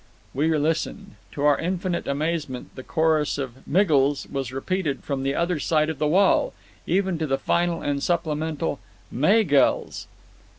We listened. To our infinite amazement the chorus of "Miggles" was repeated from the other side of the wall, even to the final and supplemental "Maygells."